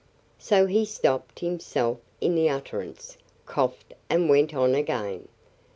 So he stopped himself in the utterance, coughed, and went on again.